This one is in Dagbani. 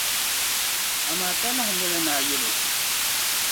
Amaa talahi n-nyɛ li ni a yɛli o.